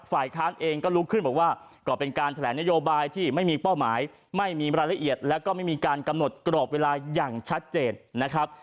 ฝ่ายค้านเองก็ลุกขึ้นบอกว่าก็เป็นการแถลงนโยบายที่ไม่มีเป้าหมายไม่มีรายละเอียดแล้วก็ไม่มีการกำหนดกรอบเวลาอย่างชัดเจนนะครับ